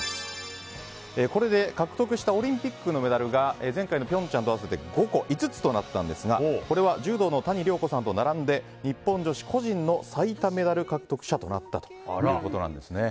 獲得したオリンピックのメダルが前回の平昌と合わせて５つとなったんですがこれは柔道の谷亮子さんと並んで日本女子個人の最多メダル獲得者となったということです。